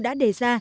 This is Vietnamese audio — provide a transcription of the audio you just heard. đã đề ra